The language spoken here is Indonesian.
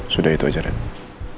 sudah itu aja reina